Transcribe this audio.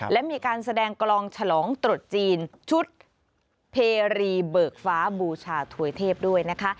และมีการแสดงกลองฉลองตรุษจีนชุดเพรีเบิกฟ้าบูชาถวยเทพด้วยนะคะ